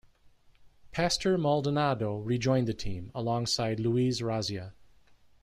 Pastor Maldonado rejoined the team, alongside Luiz Razia.